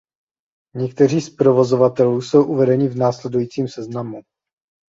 Někteří z provozovatelů jsou uvedeni v následujícím seznamu.